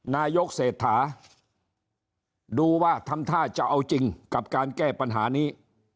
นายกเศรษฐาดูว่าทำท่าจะเอาจริงกับการแก้ปัญหานี้